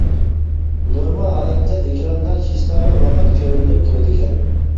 نورمال ھالەتتە ئېكراندا چىسىلا ۋە ۋاقىت كۆرۈنۈپ تۇرىدىكەن.